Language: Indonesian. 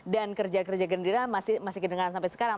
dan kerja kerja gerindra masih kedengaran sampai sekarang